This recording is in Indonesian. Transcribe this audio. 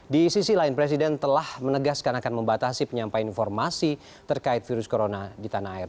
di sisi lain presiden telah menegaskan akan membatasi penyampaian informasi terkait virus corona di tanah air